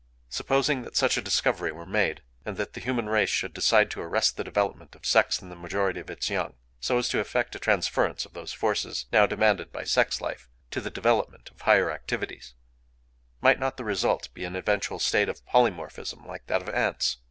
Supposing that such a discovery were made, and that the human race should decide to arrest the development of sex in the majority of its young,—so as to effect a transferrence of those forces, now demanded by sex life to the development of higher activities,—might not the result be an eventual state of polymorphism, like that of ants?